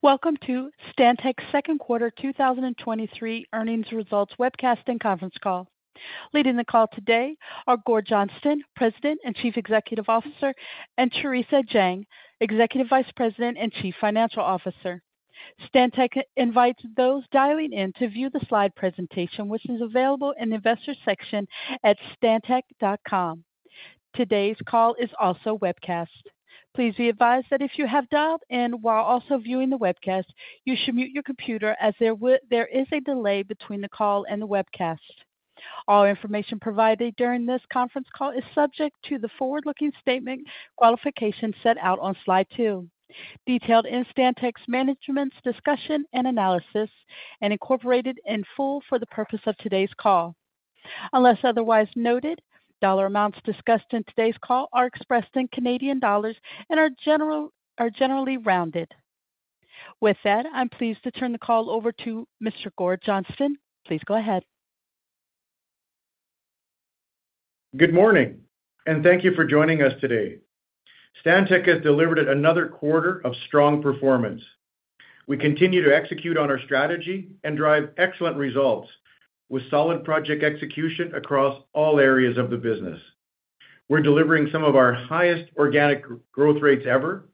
Welcome to Stantec's second quarter 2023 earnings results webcast and conference call. Leading the call today are Gord Johnston, President and Chief Executive Officer, and Theresa Jang, Executive Vice President and Chief Financial Officer. Stantec invites those dialing in to view the slide presentation, which is available in the investor section at stantec.com. Today's call is also webcast. Please be advised that if you have dialed in while also viewing the webcast, you should mute your computer as there is a delay between the call and the webcast. All information provided during this conference call is subject to the forward-looking statement qualifications set out on slide 2, detailed in Stantec's management's discussion and analysis, and incorporated in full for the purpose of today's call. Unless otherwise noted, dollar amounts discussed in today's call are expressed in Canadian dollars and are generally rounded. With that, I'm pleased to turn the call over to Mr. Gord Johnston. Please go ahead. Good morning, and thank you for joining us today. Stantec has delivered another quarter of strong performance. We continue to execute on our strategy and drive excellent results, with solid project execution across all areas of the business. We're delivering some of our highest organic growth rates ever,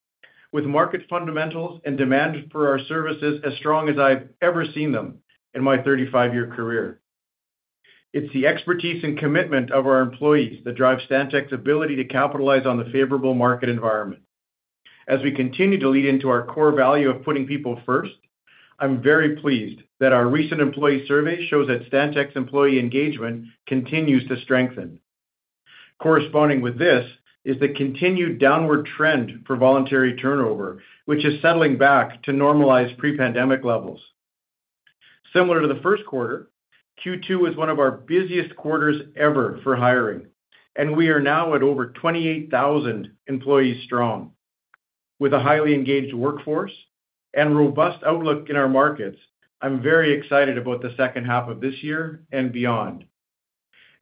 with market fundamentals and demand for our services as strong as I've ever seen them in my 35-year career. It's the expertise and commitment of our employees that drive Stantec's ability to capitalize on the favorable market environment. As we continue to lean into our core value of putting people first, I'm very pleased that our recent employee survey shows that Stantec's employee engagement continues to strengthen. Corresponding with this is the continued downward trend for voluntary turnover, which is settling back to normalized pre-pandemic levels. Similar to the first quarter, Q2 was one of our busiest quarters ever for hiring, and we are now at over 28,000 employees strong. With a highly engaged workforce and robust outlook in our markets, I'm very excited about the second half of this year and beyond.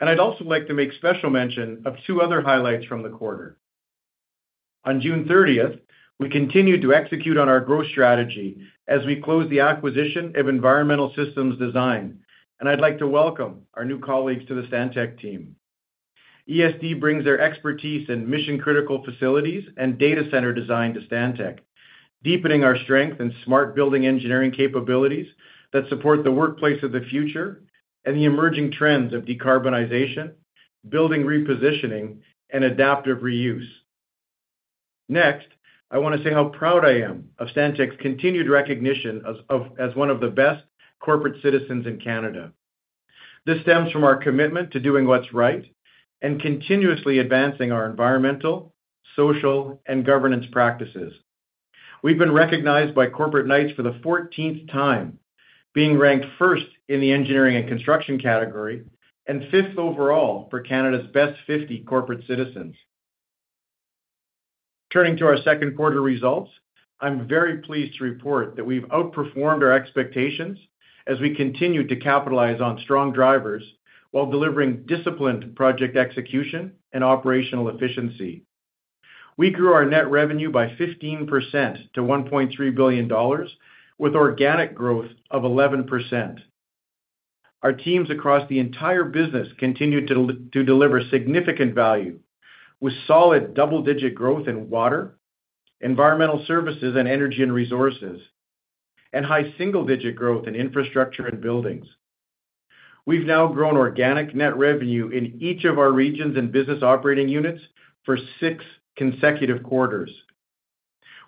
I'd also like to make special mention of two other highlights from the quarter. On June 30th, we continued to execute on our growth strategy as we closed the acquisition of Environmental Systems Design, and I'd like to welcome our new colleagues to the Stantec team. ESD brings their expertise in mission-critical facilities and data center design to Stantec, deepening our strength in smart building engineering capabilities that support the workplace of the future and the emerging trends of decarbonization, building repositioning, and adaptive reuse. Next, I want to say how proud I am of Stantec's continued recognition as one of the best corporate citizens in Canada. This stems from our commitment to doing what's right and continuously advancing our environmental, social, and governance practices. We've been recognized by Corporate Knights for the 14th time, being ranked first in the engineering and construction category and fifth overall for Canada's best 50 corporate citizens. Turning to our second quarter results, I'm very pleased to report that we've outperformed our expectations as we continued to capitalize on strong drivers while delivering disciplined project execution and operational efficiency. We grew our net revenue by 15% to $1.3 billion, with organic growth of 11%. Our teams across the entire business continued to deliver significant value with solid double-digit growth in water, environmental services, and energy and resources, and high-single-digit growth in infrastructure and buildings. We've now grown organic net revenue in each of our regions and business operating units for six consecutive quarters.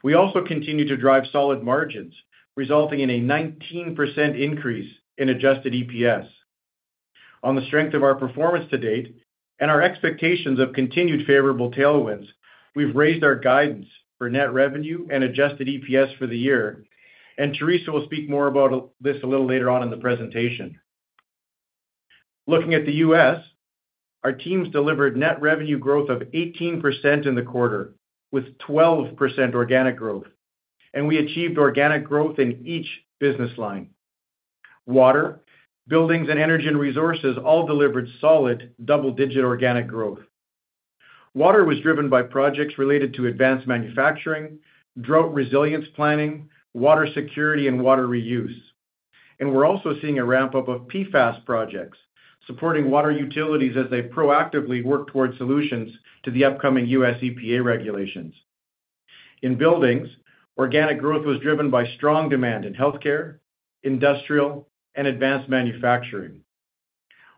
We also continued to drive solid margins, resulting in a 19% increase in adjusted EPS. On the strength of our performance to date and our expectations of continued favorable tailwinds, we've raised our guidance for net revenue and adjusted EPS for the year. Theresa will speak more about this a little later on in the presentation. Looking at the U.S., our teams delivered net revenue growth of 18% in the quarter, with 12% organic growth. We achieved organic growth in each business line. Water, buildings, and energy and resources all delivered solid double-digit organic growth. Water was driven by projects related to advanced manufacturing, drought resilience planning, water security, and water reuse. We're also seeing a ramp-up of PFAS projects, supporting water utilities as they proactively work towards solutions to the upcoming U.S. EPA regulations. In buildings, organic growth was driven by strong demand in healthcare, industrial, and advanced manufacturing.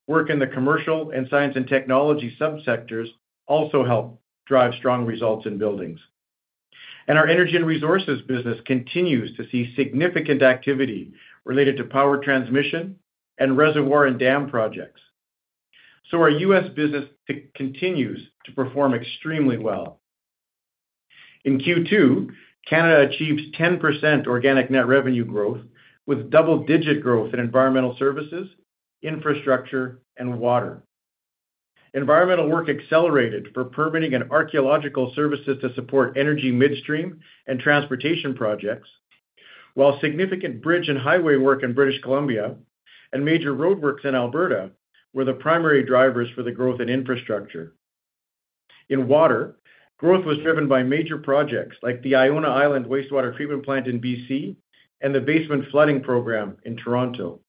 Work in the commercial and science and technology subsectors also helped drive strong results in buildings. Our Energy and Resources business continues to see significant activity related to power transmission and reservoir and dam projects. Our U.S. business continues to perform extremely well. In Q2, Canada achieved 10% organic net revenue growth, with double-digit growth in environmental services, infrastructure, and water. Environmental work accelerated for permitting and archaeological services to support energy midstream and transportation projects, while significant bridge and highway work in British Columbia and major roadworks in Alberta were the primary drivers for the growth in infrastructure. In water, growth was driven by major projects like the Iona Island Wastewater Treatment Plant in BC and the Basement Flooding Program in Toronto.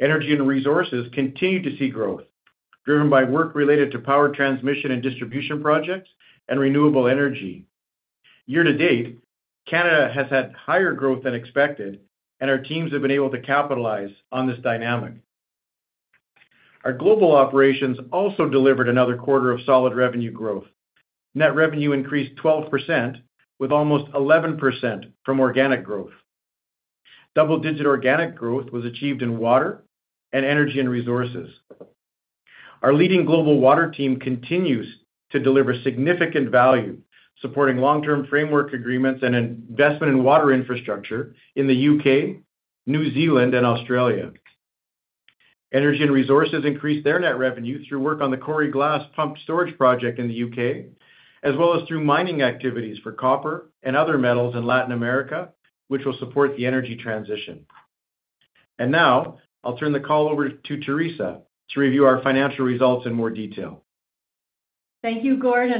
Energy and resources continued to see growth, driven by work related to power transmission and distribution projects and renewable energy. Year-to-date, Canada has had higher growth than expected, and our teams have been able to capitalize on this dynamic. Our global operations also delivered another quarter of solid revenue growth. Net revenue increased 12%, with almost 11% from organic growth. Double-digit organic growth was achieved in water and energy and resources. Our leading global water team continues to deliver significant value, supporting long-term framework agreements and investment in water infrastructure in the U.K., New Zealand, and Australia. Energy and resources increased their net revenue through work on the Coire Glas Pumped Storage project in the U.K., as well as through mining activities for copper and other metals in Latin America, which will support the energy transition. Now, I'll turn the call over to Theresa to review our financial results in more detail. Thank you, Gord.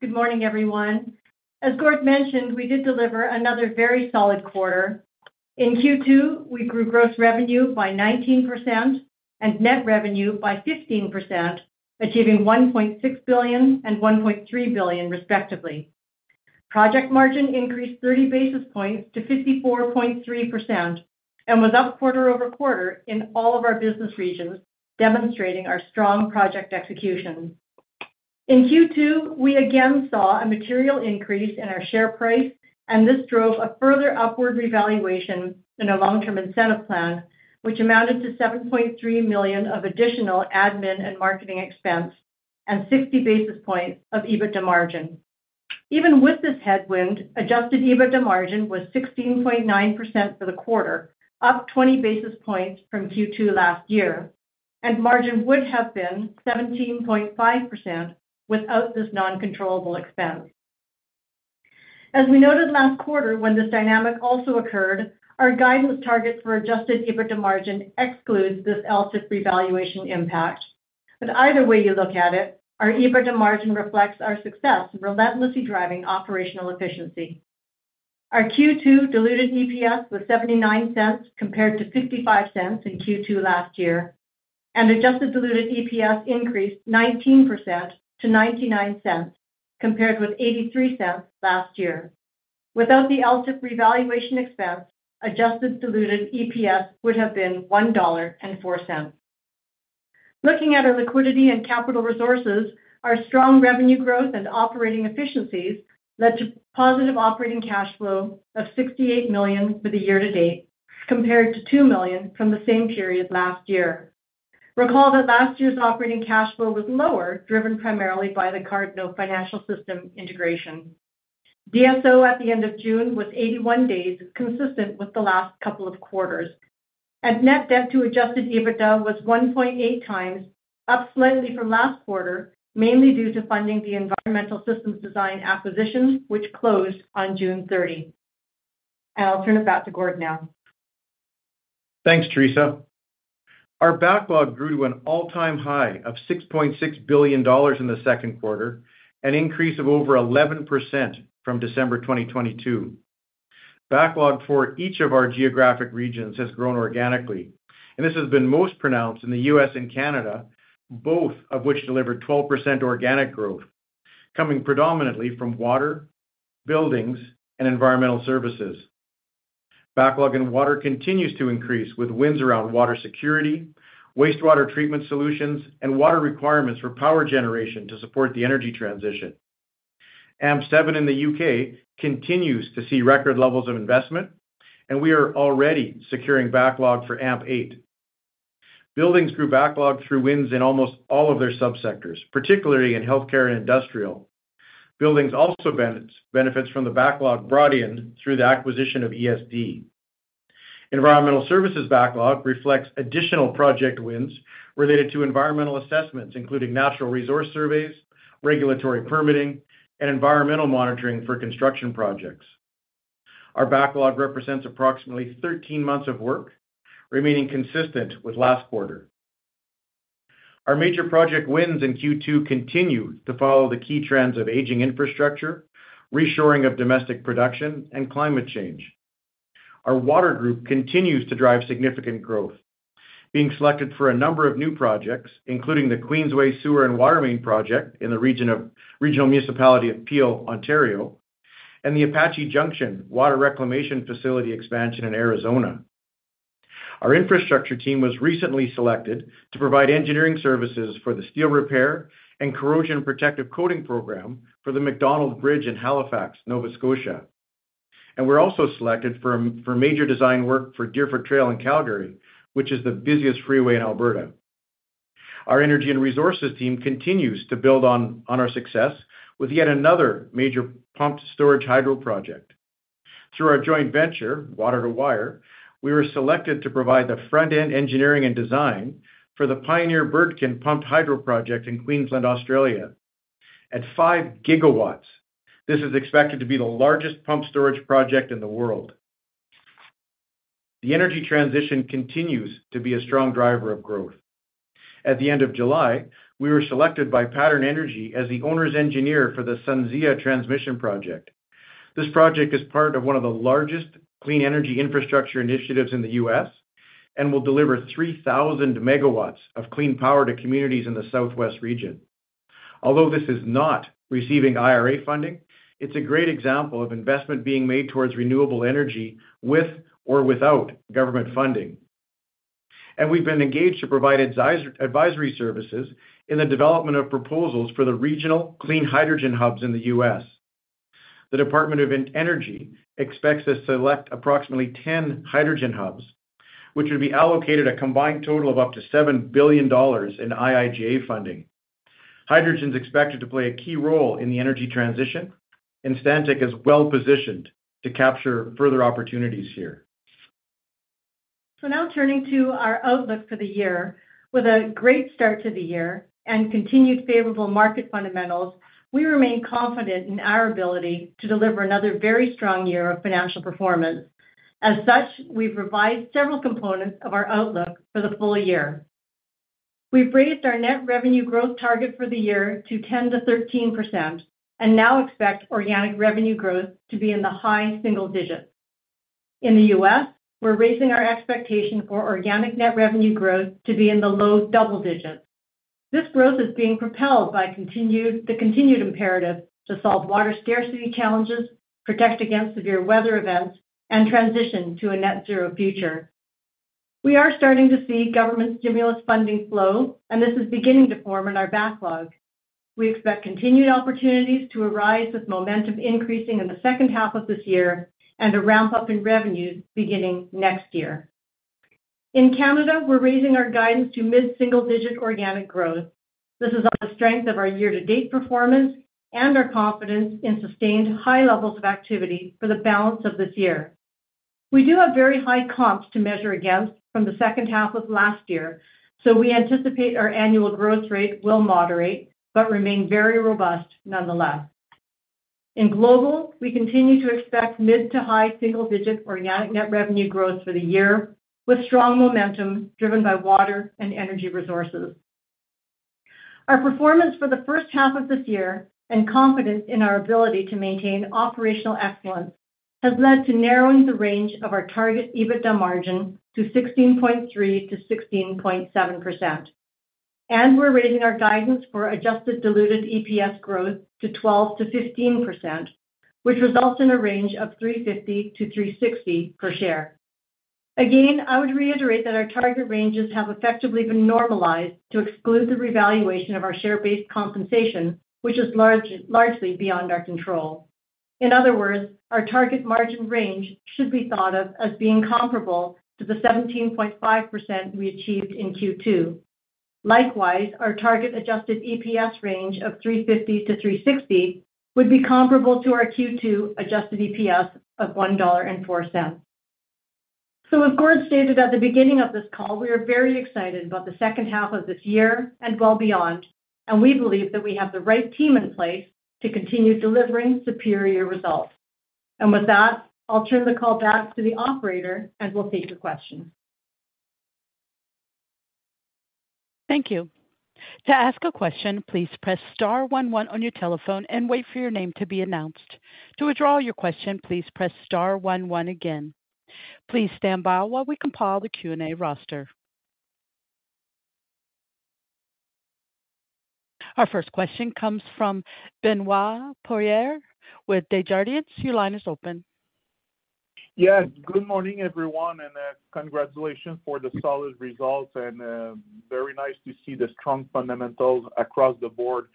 Good morning, everyone. As Gord mentioned, we did deliver another very solid quarter. In Q2, we grew gross revenue by 19% and net revenue by 15%, achieving $1.6 billion and $1.3 billion, respectively. Project margin increased 30 basis points to 54.3% and was up quarter-over-quarter in all of our business regions, demonstrating our strong project execution. In Q2, we again saw a material increase in our share price, and this drove a further upward revaluation in our long-term incentive plan, which amounted to $7.3 million of additional admin and marketing expense and 60 basis points of EBITDA margin. Even with this headwind, adjusted EBITDA margin was 16.9% for the quarter, up 20 basis points from Q2 last year, and margin would have been 17.5% without this non-controllable expense. As we noted last quarter when this dynamic also occurred, our guidance targets for adjusted EBITDA margin excludes this LTIP revaluation impact. Either way you look at it, our EBITDA margin reflects our success in relentlessly driving operational efficiency. Our Q2 diluted EPS was $0.79, compared to $0.55 in Q2 last year, and adjusted diluted EPS increased 19% to $0.99, compared with $0.83 last year. Without the LTIP revaluation expense, adjusted diluted EPS would have been $1.04. Looking at our liquidity and capital resources, our strong revenue growth and operating efficiencies led to positive operating cash flow of $68 million for the year to date, compared to $2 million from the same period last year. Recall that last year's operating cash flow was lower, driven primarily by the Cardinal Financial System integration. DSO at the end of June was 81 days, consistent with the last couple of quarters, and net debt to adjusted EBITDA was 1.8 times, up slightly from last quarter, mainly due to funding the Environmental Systems Design acquisition, which closed on June 30. I'll turn it back to Gord now. Thanks, Theresa. Our backlog grew to an all-time high of $6.6 billion in the second quarter, an increase of over 11% from December 2022. Backlog for each of our geographic regions has grown organically, and this has been most pronounced in the U.S. and Canada, both of which delivered 12% organic growth, coming predominantly from water, buildings, and environmental services. Backlog in water continues to increase, with wins around water security, wastewater treatment solutions, and water requirements for power generation to support the energy transition. AMP7 in the U.K. continues to see record levels of investment, and we are already securing backlog for AMP8. Buildings grew backlog through wins in almost all of their subsectors, particularly in healthcare and industrial. Buildings also benefits from the backlog brought in through the acquisition of ESD. Environmental services backlog reflects additional project wins related to environmental assessments, including natural resource surveys, regulatory permitting, and environmental monitoring for construction projects. Our backlog represents approximately 13 months of work, remaining consistent with last quarter. Our major project wins in Q2 continue to follow the key trends of aging infrastructure, reshoring of domestic production, and climate change. Our water group continues to drive significant growth, being selected for a number of new projects, including The Queensway Sewer and Watermain Project in the Regional Municipality of Peel, Ontario, and the Apache Junction Water Reclamation Facility expansion in Arizona. Our infrastructure team was recently selected to provide engineering services for the steel repair and corrosion protective coating program for the Macdonald Bridge in Halifax, Nova Scotia. We're also selected for major design work for Deerfoot Trail in Calgary, which is the busiest freeway in Alberta. Our energy and resources team continues to build on our success with yet another major pumped storage hydro project. Through our joint venture, Water2Wire, we were selected to provide the front-end engineering and design for the Pioneer-Burdekin Pumped Hydro Project in Queensland, Australia. At 5 GW, this is expected to be the largest pump storage project in the world. The energy transition continues to be a strong driver of growth. At the end of July, we were selected by Pattern Energy as the owner's engineer for the SunZia Transmission project. This project is part of one of the largest clean energy infrastructure initiatives in the U.S., and will deliver 3,000 megawatts of clean power to communities in the Southwest region. Although this is not receiving IRA funding, it's a great example of investment being made towards renewable energy, with or without government funding. We've been engaged to provide advisory services in the development of proposals for the regional clean hydrogen hubs in the U.S. The Department of Energy expects to select approximately 10 hydrogen hubs, which will be allocated a combined total of up to $7 billion in IIJA funding. Hydrogen is expected to play a key role in the energy transition, and Stantec is well positioned to capture further opportunities here. Now turning to our outlook for the year. With a great start to the year and continued favorable market fundamentals, we remain confident in our ability to deliver another very strong year of financial performance. As such, we've revised several components of our outlook for the full year. We've raised our net revenue growth target for the year to 10%-13%, and now expect organic revenue growth to be in the high-single digits. In the U.S., we're raising our expectation for organic net revenue growth to be in the low double digits. This growth is being propelled by the continued imperative to solve water scarcity challenges, protect against severe weather events, and transition to a net zero future. We are starting to see government stimulus funding flow, and this is beginning to form in our backlog. We expect continued opportunities to arise, with momentum increasing in the second half of this year and a ramp-up in revenues beginning next year. In Canada, we're raising our guidance to mid-single-digit organic growth. This is on the strength of our year-to-date performance and our confidence in sustained high levels of activity for the balance of this year. We do have very high comps to measure against from the second half of last year, so we anticipate our annual growth rate will moderate, but remain very robust nonetheless. In global, we continue to expect mid-to-high-single-digit organic net revenue growth for the year, with strong momentum driven by water and energy resources. Our performance for the first half of this year, and confidence in our ability to maintain operational excellence, has led to narrowing the range of our target EBITDA margin to 16.3%-16.7%. We're raising our guidance for adjusted diluted EPS growth to 12%-15%, which results in a range of $3.50-$3.60 per share. Again, I would reiterate that our target ranges have effectively been normalized to exclude the revaluation of our share-based compensation, which is largely beyond our control. In other words, our target margin range should be thought of as being comparable to the 17.5% we achieved in Q2. Likewise, our target adjusted EPS range of $3.50-$3.60 would be comparable to our Q2 adjusted EPS of $1.04. As Gord stated at the beginning of this call, we are very excited about the second half of this year and well beyond, and we believe that we have the right team in place to continue delivering superior results. With that, I'll turn the call back to the operator, and we'll take your questions. Thank you. To ask a question, please press star one one on your telephone and wait for your name to be announced. To withdraw your question, please press star one one again. Please stand by while we compile the Q&A roster. Our first question comes from Benoit Poirier with Desjardins. Your line is open. Yes, good morning, everyone, and congratulations for the solid results, and very nice to see the strong fundamentals across the board.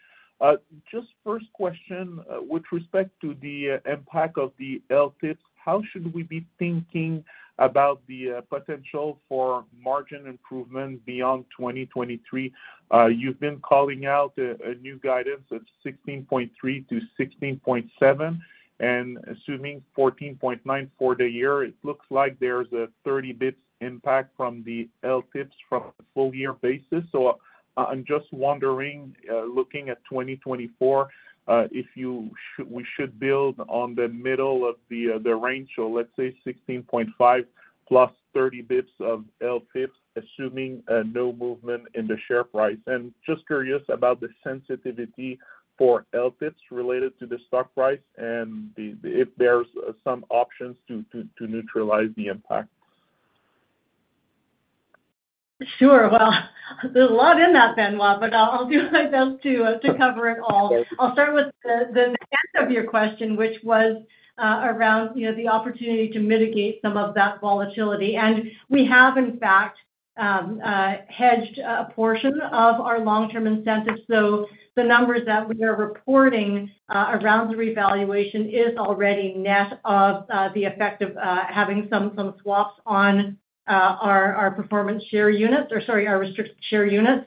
Just first question, with respect to the impact of the LTIPs, how should we be thinking about the potential for margin improvement beyond 2023? You've been calling out a new guidance of 16.3%-16.7%, and assuming 14.9% for the year, it looks like there's a 30 bits impact from the LTIPs from a full year basis. I'm just wondering, looking at 2024, if you should -- we should build on the middle of the range, so let's say 16.5% plus 30 bits of LTIPs, assuming no movement in the share price. Just curious about the sensitivity for LTIPs related to the stock price and if there's some options to, to, to neutralize the impact? Sure. Well, there's a lot in that, Benoit, but I'll, I'll do my best to cover it all. I'll start with the, the end of your question, which was around, you know, the opportunity to mitigate some of that volatility. We have, in fact, hedged a portion of our long-term incentive. The numbers that we are reporting around the revaluation is already net of the effect of having some, some swaps on our, our performance share units or, sorry, our restricted share units.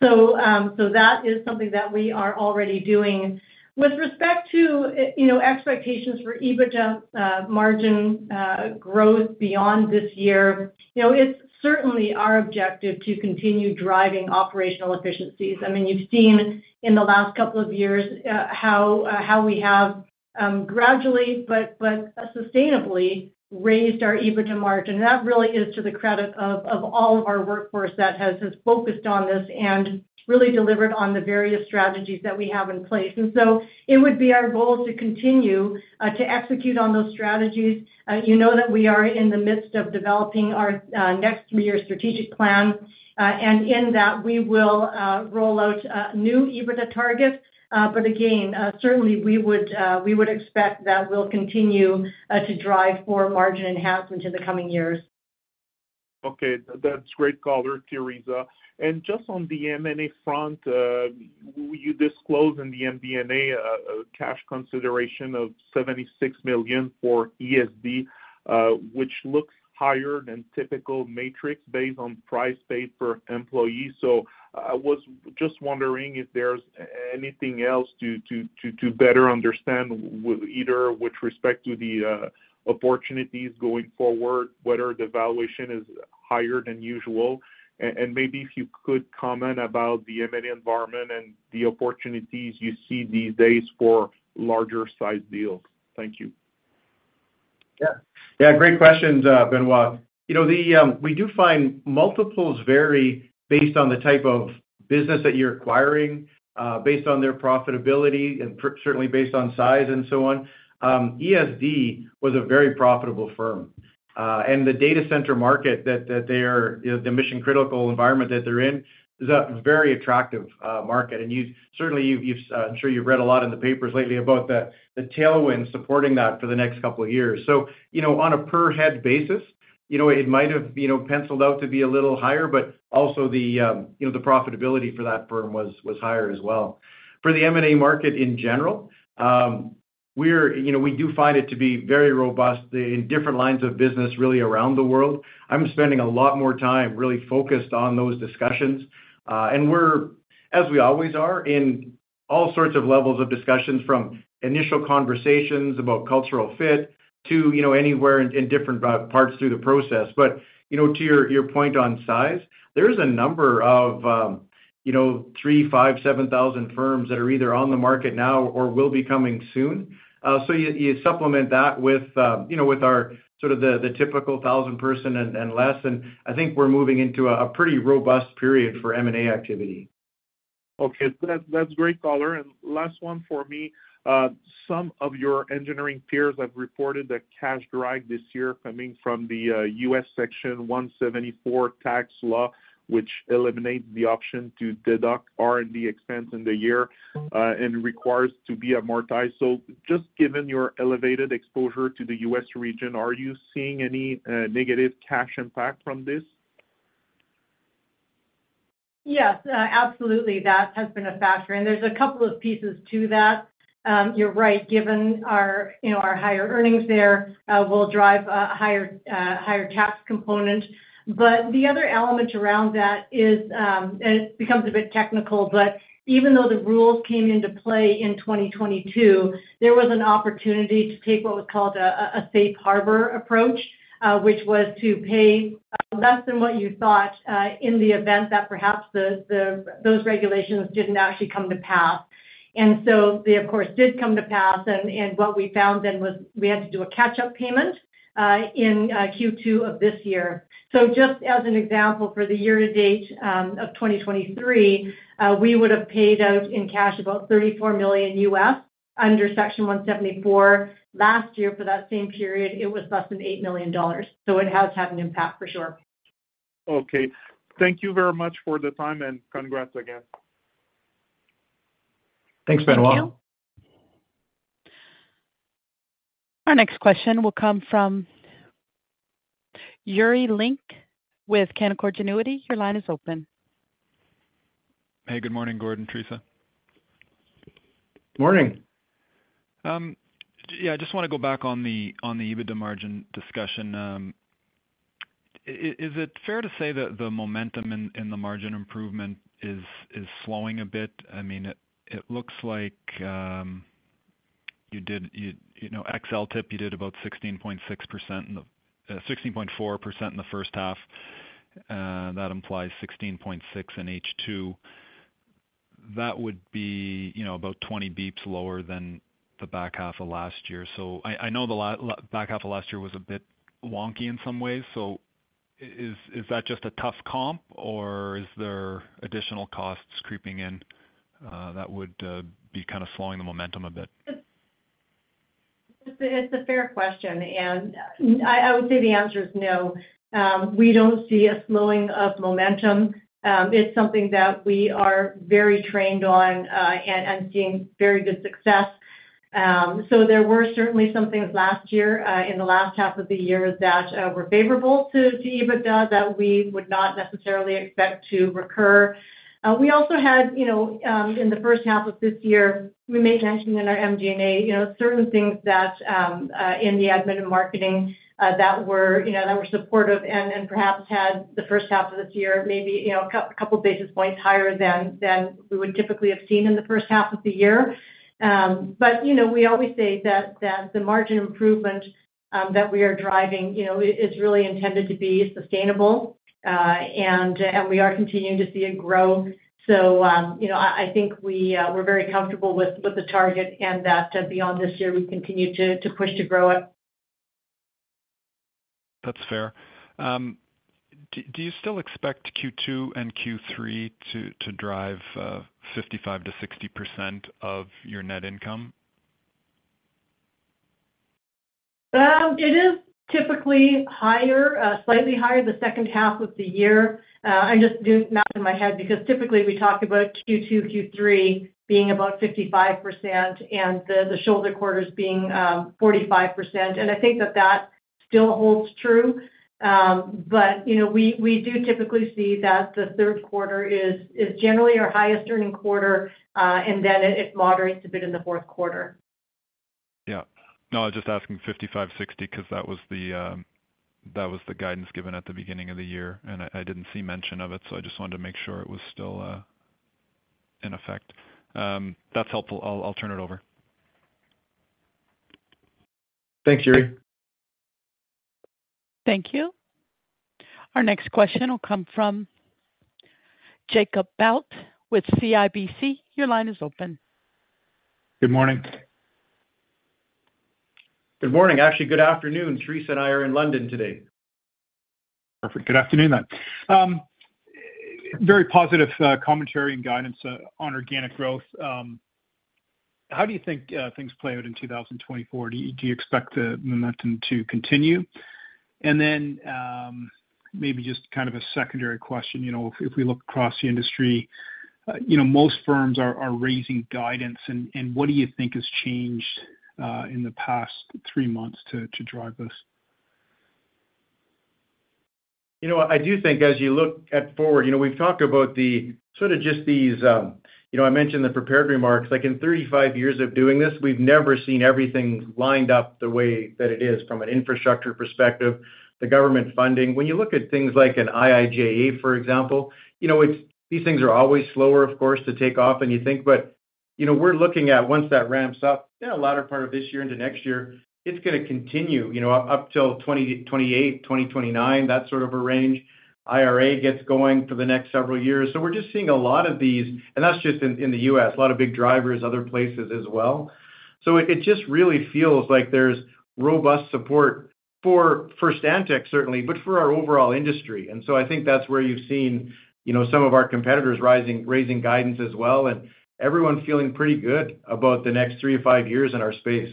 That is something that we are already doing. With respect to, you know, expectations for EBITDA margin growth beyond this year, you know, it's certainly our objective to continue driving operational efficiencies. I mean, you've seen in the last couple of years, how we have. gradually, but, but sustainably raised our EBITDA margin. That really is to the credit of, of all of our workforce that has, has focused on this and really delivered on the various strategies that we have in place. It would be our goal to continue to execute on those strategies. You know that we are in the midst of developing our next three-year strategic plan. In that, we will roll out new EBITDA targets. Again, certainly we would expect that we'll continue to drive more margin enhancement in the coming years. Okay. That's great color, Theresa. Just on the M&A front, you disclosed in the MD&A, a cash consideration of 76 million for ESD, which looks higher than typical matrix based on price paid per employee. I was just wondering if there's anything else to better understand with either, with respect to the opportunities going forward, whether the valuation is higher than usual. Maybe if you could comment about the M&A environment and the opportunities you see these days for larger-sized deals. Thank you. Yeah. Yeah, great questions, Benoit. You know, the, we do find multiples vary based on the type of business that you're acquiring, based on their profitability and certainly based on size and so on. ESD was a very profitable firm, and the data center market that, that they are, you know, the mission-critical environment that they're in, is a very attractive market. Certainly, you've, you've, I'm sure you've read a lot in the papers lately about the, the tailwind supporting that for the next couple of years. You know, on a per head basis, you know, it might have, you know, penciled out to be a little higher, but also the, you know, the profitability for that firm was, was higher as well. For the M&A market in general, we're, you know, we do find it to be very robust in different lines of business, really around the world. I'm spending a lot more time really focused on those discussions. We're, as we always are, in all sorts of levels of discussions, from initial conversations about cultural fit to, you know, anywhere in, in different parts through the process. You know, to your, your point on size, there's a number of, you know, three, five, 7,000 firms that are either on the market now or will be coming soon. You, you supplement that with, you know, with our sort of the, the typical 1,000 person and, and less, and I think we're moving into a, a pretty robust period for M&A activity. Okay. That's, that's great color. Last one for me. Some of your engineering peers have reported that cash drag this year coming from the U.S. Section 174 tax law, which eliminates the option to deduct R&D expense in the year and requires to be amortized. Just given your elevated exposure to the U.S. region, are you seeing any negative cash impact from this? Yes, absolutely. That has been a factor, and there's a couple of pieces to that. You're right, given our, you know, our higher earnings there, will drive a higher, higher tax component. The other element around that is, and it becomes a bit technical, but even though the rules came into play in 2022, there was an opportunity to take what was called a safe harbor approach, which was to pay less than what you thought in the event that perhaps those regulations didn't actually come to pass. They, of course, did come to pass, and what we found then was we had to do a catch-up payment in Q2 of this year. Just as an example, for the year-to-date, of 2023, we would have paid out in cash about $34 million under Section 174. Last year, for that same period, it was less than $8 million. It has had an impact for sure. Okay. Thank you very much for the time, and congrats again. Thanks, Benoit. Thank you. Our next question will come from Yuri Lynk with Canaccord Genuity. Your line is open. Hey, good morning, Gordon, Theresa. Morning. Yeah, I just wanna go back on the, on the EBITDA margin discussion. Is it fair to say that the momentum in, in the margin improvement is, is slowing a bit? I mean, it, it looks like, you did, you know, LTIP, you did about 16.6% in the, 16.4% in the first half, that implies 16.6% in H2. That would be, you know, about 20 bips lower than the back half of last year. I know the back half of last year was a bit wonky in some ways, is that just a tough comp, or are there additional costs creeping in, that would, be kind of slowing the momentum a bit? It's, it's a fair question, and I, I would say the answer is no. We don't see a slowing of momentum. It's something that we are very trained on, and seeing very good success. So there were certainly some things last year, in the last half of the year that were favorable to EBITDA that we would not necessarily expect to recur. We also had, you know, in the first half of this year, we made mention in our MD&A, you know, certain things that in the admin and marketing that were, you know, that were supportive and perhaps had the first half of this year, maybe, you know, a couple basis points higher than we would typically have seen in the first half of the year. You know, we always say that, that the margin improvement, that we are driving, you know, is really intended to be sustainable, and, and we are continuing to see it grow. You know, I, I think we, we're very comfortable with, with the target and that beyond this year, we continue to, to push to grow it. That's fair. Do you still expect Q2 and Q3 to drive 55%-60% of your net income? It is typically higher, slightly higher the second half of the year. I'm just doing math in my head, because typically we talk about Q2, Q3 being about 55%, and the shoulder quarters being 45%. I think that that still holds true. You know, we do typically see that the third quarter is generally our highest earning quarter, and then it moderates a bit in the fourth quarter. Yeah. No, I was just asking 55, 60, because that was the, that was the guidance given at the beginning of the year, and I, I didn't see mention of it, so I just wanted to make sure it was still in effect. That's helpful. I'll, I'll turn it over. Thanks, Yuri. Thank you. Our next question will come from Jacob Bout with CIBC. Your line is open. Good morning. Good morning. Actually, good afternoon. Theresa and I are in London today. Perfect. Good afternoon, then. Very positive commentary and guidance on organic growth. How do you think things play out in 2024? Do you expect the momentum to continue? Then, maybe just kind of a secondary question: you know, if we look across the industry, you know, most firms are raising guidance and what do you think has changed in the past 3 months to drive this? You know what? I do think as you look at forward... You know, we've talked about the sort of just these, you know, I mentioned the prepared remarks, like, in 35 years of doing this, we've never seen everything lined up the way that it is from an infrastructure perspective, the government funding. When you look at things like an IIJA, for example, you know, these things are always slower, of course, to take off than you think. You know, we're looking at once that ramps up, yeah, latter part of this year into next year, it's gonna continue, you know, up, up till 2028, 2029, that sort of a range. IRA gets going for the next several years. We're just seeing a lot of these, and that's just in, in the U.S., a lot of big drivers, other places as well. It, it just really feels like there's robust support for, for Stantec, certainly, but for our overall industry. I think that's where you've seen, you know, some of our competitors rising, raising guidance as well, and everyone feeling pretty good about the next three to five years in our space.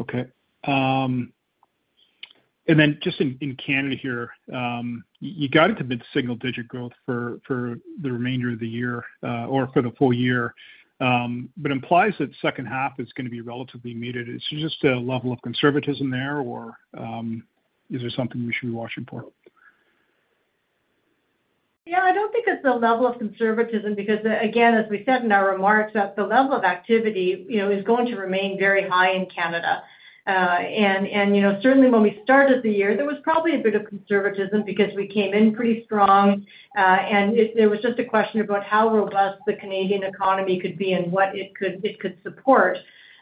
Okay. Just in Canada here, you guided to mid-single-digit growth for the remainder of the year, or for the full year, but implies that second half is going to be relatively muted. Is it just a level of conservatism there, or is there something we should be watching for? Yeah, I don't think it's a level of conservatism, because, again, as we said in our remarks, that the level of activity, you know, is going to remain very high in Canada. You know, certainly when we started the year, there was probably a bit of conservatism because we came in pretty strong, and it, it was just a question about how robust the Canadian economy could be and what it could, it could support.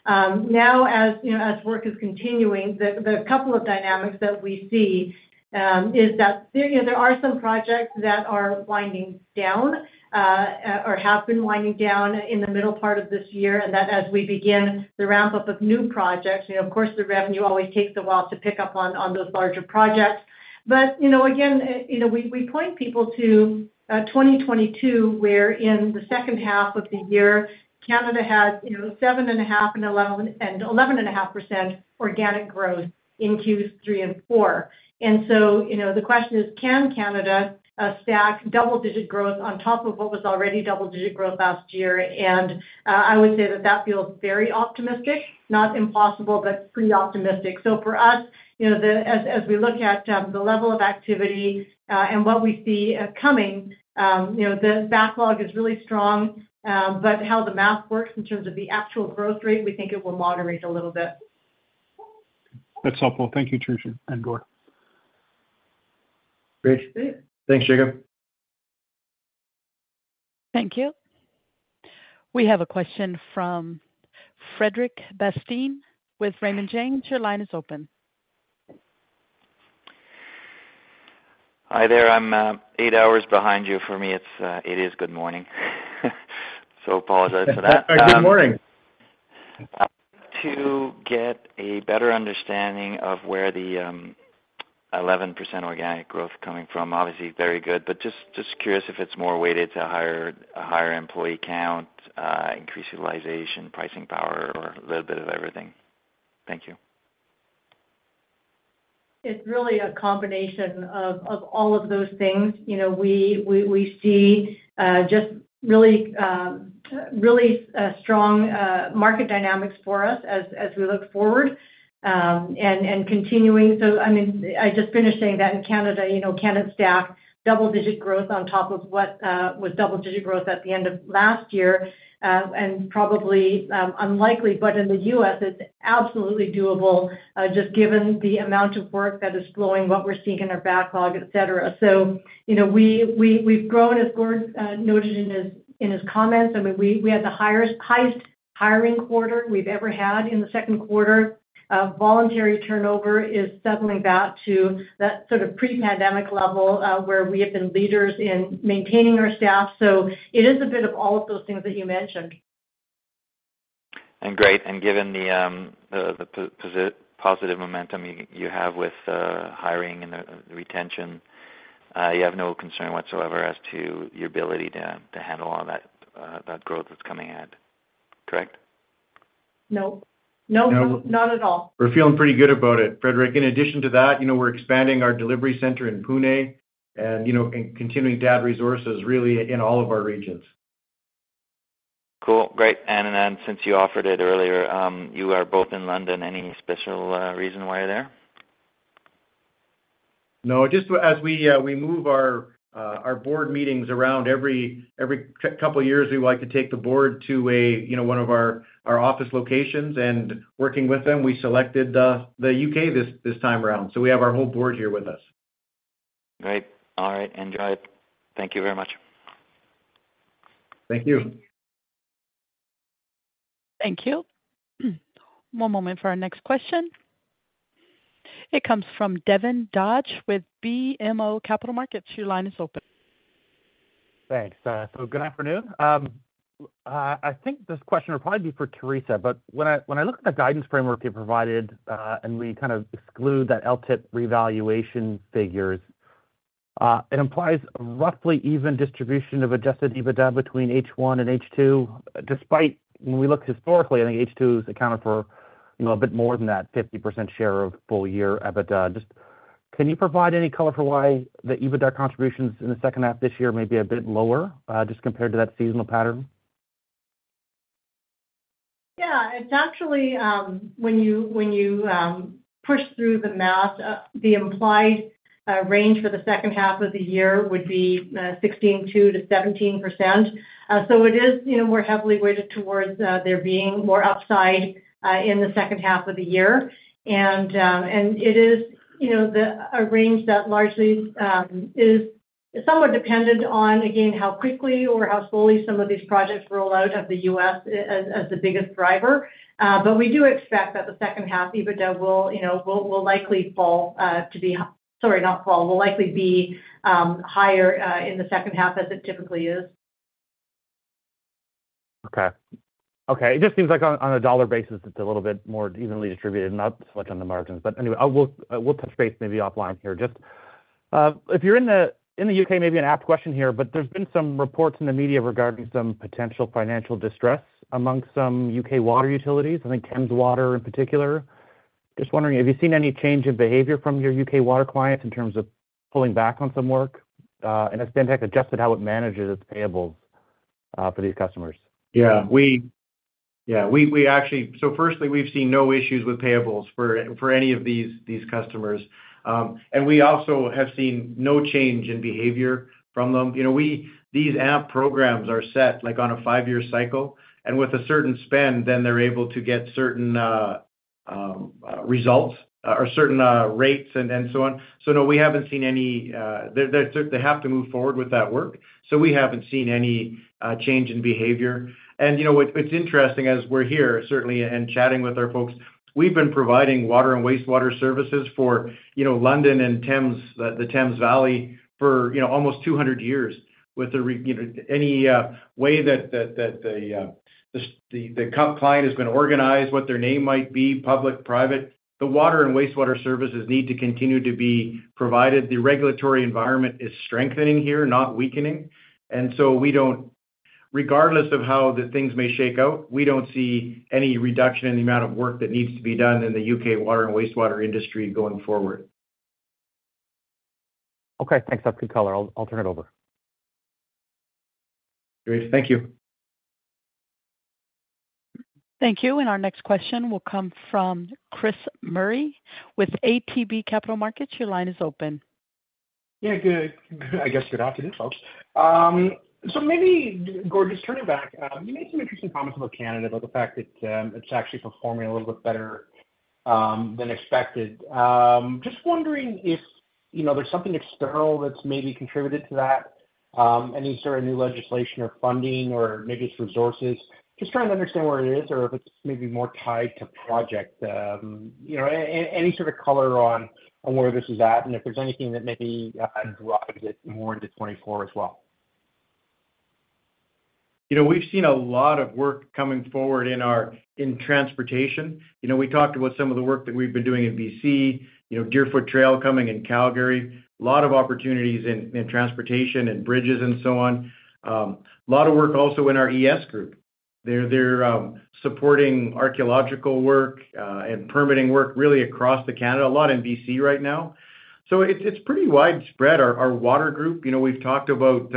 Now, as, you know, as work is continuing, the, the couple of dynamics that we see, is that there, you know, there are some projects that are winding down, or, or have been winding down in the middle part of this year, and that as we begin the ramp-up of new projects, you know, of course, the revenue always takes a while to pick up on, on those larger projects. You know, again, you know, we, we point people to 2022, where in the second half of the year, Canada had, you know, 7.5 and 11, and 11.5% organic growth in Q3 and Q4. You know, the question is: Can Canada stack double-digit growth on top of what was already double-digit growth last year? I would say that that feels very optimistic. Not impossible, but pretty optimistic. For us, you know, the, as, as we look at the level of activity and what we see coming, you know, the backlog is really strong. How the math works in terms of the actual growth rate, we think it will moderate a little bit. That's helpful. Thank you, Theresa and Gord. Great. Thanks, Jacob. Thank you. We have a question from Frederic Bastien with Raymond James. Your line is open. Hi there. I'm, 8 hours behind you. For me, it's, it is good morning. Apologize for that. Good morning! To get a better understanding of where the, 11% organic growth coming from, obviously very good, but just, just curious if it's more weighted to higher- a higher employee count, increased utilization, pricing power, or a little bit of everything? Thank you. It's really a combination of, of all of those things. You know, we, we, we see just really, really strong market dynamics for us as, as we look forward, and continuing. I mean, I just finished saying that in Canada, you know, Canada stacked double-digit growth on top of what was double-digit growth at the end of last year, and probably unlikely, but in the U.S., it's absolutely doable, just given the amount of work that is flowing, what we're seeing in our backlog, et cetera. You know, we, we, we've grown, as Gord noted in his, in his comments. I mean, we, we had the highest, highest hiring quarter we've ever had in the second quarter. Voluntary turnover is settling back to that sort of pre-pandemic level, where we have been leaders in maintaining our staff. It is a bit of all of those things that you mentioned. Great, and given the positive momentum you, you have with hiring and the retention, you have no concern whatsoever as to your ability to handle all that growth that's coming in, correct? No. No, not at all. We're feeling pretty good about it, Frederic. In addition to that, you know, we're expanding our delivery center in Pune and, you know, and continuing to add resources really in all of our regions. Cool. Great. Then since you offered it earlier, you are both in London. Any special reason why you're there? No, just as we, we move our, our board meetings around every, every couple of years, we like to take the board to a, you know, one of our, our office locations and working with them, we selected the U.K. this, this time around. We have our whole board here with us. Great. All right, enjoy it. Thank you very much. Thank you. Thank you. One moment for our next question. It comes from Devin Dodge with BMO Capital Markets. Your line is open. Thanks. Good afternoon. I think this question would probably be for Theresa, but when I, when I look at the guidance framework you provided, and we kind of exclude that LTIP revaluation figures, it implies roughly even distribution of adjusted EBITDA between H1 and H2, despite when we look historically, I think H2 is accounted for, you know, a bit more than that 50% share of full year EBITDA. Just, can you provide any color for why the EBITDA contributions in the second half this year may be a bit lower, just compared to that seasonal pattern? Yeah. It's actually, when you, when you push through the math, the implied range for the second half of the year would be 16.2%-17%. It is, you know, more heavily weighted towards there being more upside in the second half of the year. It is, you know, the, a range that largely is somewhat dependent on, again, how quickly or how slowly some of these projects roll out of the U.S. as, as the biggest driver. We do expect that the second half EBITDA will, you know, will, will likely fall to be. Sorry, not fall, will likely be higher in the second half as it typically is. Okay. Okay, it just seems like on, on a dollar basis, it's a little bit more evenly distributed, not so much on the margins. Anyway, we'll touch base maybe offline here. Just, if you're in the, in the U.K., maybe an apt question here, but there's been some reports in the media regarding some potential financial distress amongst some U.K. water utilities, I think Thames Water in particular. Just wondering, have you seen any change in behavior from your U.K. water clients in terms of pulling back on some work, and has Stantec adjusted how it manages its payables for these customers? Yeah, we, yeah, we, we actually. Firstly, we've seen no issues with payables for any of these customers. We also have seen no change in behavior from them. You know, these AMP programs are set, like, on a five-year cycle, and with a certain spend, then they're able to get certain results or certain rates and so on. No, we haven't seen any. They have to move forward with that work, so we haven't seen any change in behavior. You know, what it's interesting as we're here, certainly and chatting with our folks, we've been providing water and wastewater services for, you know, London and Thames, the Thames Valley for, you know, almost 200 years with a you know, any way that, that, that the, the, the client is gonna organize, what their name might be, public, private, the water and wastewater services need to continue to be provided. The regulatory environment is strengthening here, not weakening. We don't regardless of how the things may shake out, we don't see any reduction in the amount of work that needs to be done in the U.K. water and wastewater industry going forward. Okay, thanks. That's good color. I'll, I'll turn it over. Great. Thank you. Thank you. Our next question will come from Chris Murray with ATB Capital Markets. Your line is open. Yeah, good. I guess good afternoon, folks. Maybe, Gord, just turning back, you made some interesting comments about Canada, about the fact that, it's actually performing a little bit better, than expected. Just wondering if, you know, there's something external that's maybe contributed to that, any sort of new legislation or funding, or maybe it's resources. Just trying to understand where it is or if it's maybe more tied to project, you know, any sort of color on, on where this is at, and if there's anything that maybe, drives it more into 2024 as well. You know, we've seen a lot of work coming forward in our, in transportation. You know, we talked about some of the work that we've been doing in BC, you know, Deerfoot Trail coming in Calgary, a lot of opportunities in, in transportation and bridges and so on. A lot of work also in our ESD group. They're, they're supporting archaeological work, and permitting work, really across the Canada, a lot in BC right now. So it's, it's pretty widespread. Our, our water group, you know, we've talked about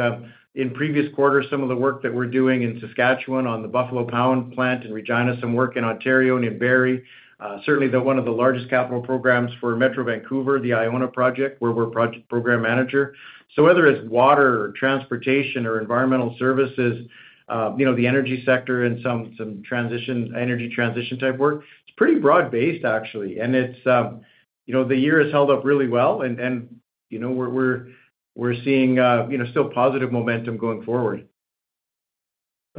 in previous quarters, some of the work that we're doing in Saskatchewan on the Buffalo Pound plant in Regina, some work in Ontario, in Barrie. Certainly the one of the largest capital programs for Metro Vancouver, the Iona project, where we're project program manager. Whether it's water or transportation or environmental services, you know, the energy sector and some, some transition, energy transition type work, it's pretty broad-based, actually. It's, you know, the year has held up really well, and, and, you know, we're, we're, we're seeing, you know, still positive momentum going forward.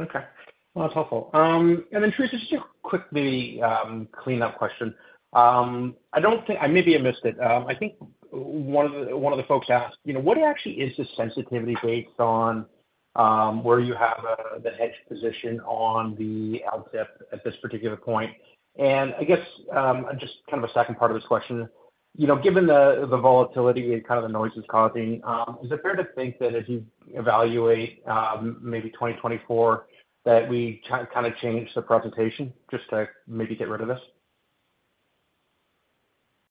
Okay. Well, that's helpful. Then, Theresa, just a quickly clean up question. I maybe I missed it. I think one of the, one of the folks asked, you know, what actually is the sensitivity based on, where you have the hedge position on the LTIP at this particular point? I guess, just kind of a second part of this question, you know, given the, the volatility and kind of the noise it's causing, is it fair to think that as you evaluate, maybe 2024, that we kind of change the presentation just to maybe get rid of this?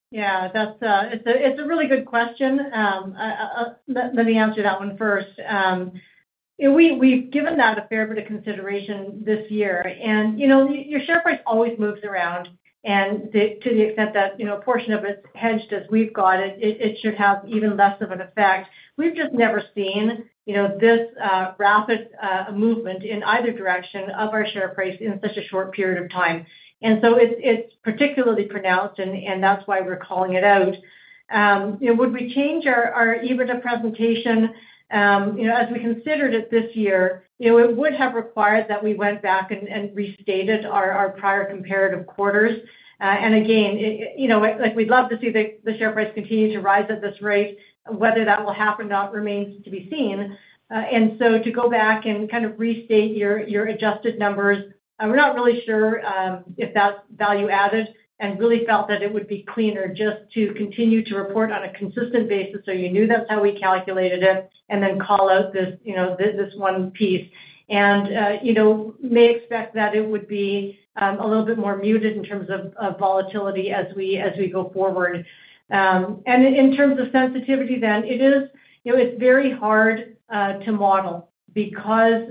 Yeah, that's, it's a, it's a really good question. Let, let me answer that one first. We, we've given that a fair bit of consideration this year, and, you know, your share price always moves around, and the, to the extent that, you know, a portion of it's hedged as we've got it, it, it should have even less of an effect. We've just never seen, you know, this, rapid, movement in either direction of our share price in such a short period of time. So it's, it's particularly pronounced, and, and that's why we're calling it out. You know, would we change our, our EBITDA presentation? You know, as we considered it this year, it would have required that we went back and, and restated our, our prior comparative quarters. Again, it, you know, like, we'd love to see the, the share price continue to rise at this rate. Whether that will happen or not remains to be seen. So to go back and kind of restate your, your adjusted numbers, we're not really sure if that's value added and really felt that it would be cleaner just to continue to report on a consistent basis, so you knew that's how we calculated it, and then call out this, you know, this, this one piece. You know, may expect that it would be a little bit more muted in terms of, of volatility as we, as we go forward. In terms of sensitivity, it is, you know, it's very hard to model because